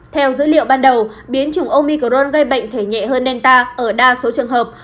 theo dữ liệu ban đầu biến chủng omicron gây bệnh thể nhẹ hơn delta ở đa số trường hợp